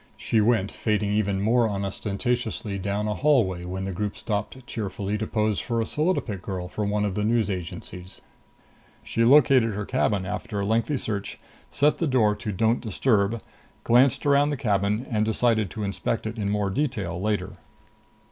She went fading even more unostentatiously down a hallway when the group stopped cheerfully to pose for a solidopic girl from one of the news agencies. She located her cabin after a lengthy search, set the door to don't disturb, glanced around the cabin and decided to inspect it in more detail later.